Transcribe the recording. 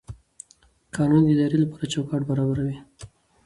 قانون د ادارې لپاره چوکاټ برابروي.